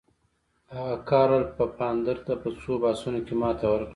هغه کارل پفاندر ته په څو بحثونو کې ماته ورکړه.